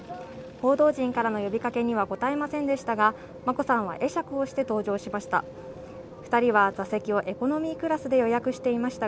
報道陣からの呼びかけには答えませんでしたが、眞子さんは会釈をして搭乗しました。